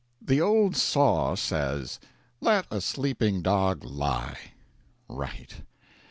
The old saw says, "Let a sleeping dog lie." Right....